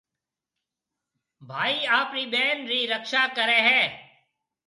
ڀائي آپرِي ٻين رِي رڪشا ڪريَ هيَ۔